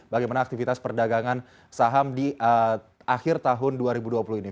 bagaimana aktivitas perdagangan saham di akhir tahun dua ribu dua puluh ini